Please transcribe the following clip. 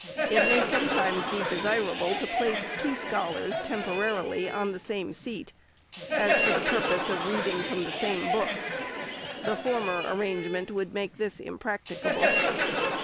It may sometimes be desirable to place two scholars temporarily on the same seat, as for the purpose of reading from the same book. The former arrangement would make this impracticable.